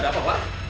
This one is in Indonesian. ada apa wah